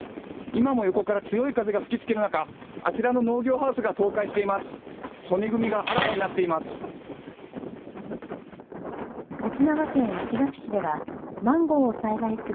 今も横から強い風が吹きつける中、あちらの農業ハウスが倒壊しています。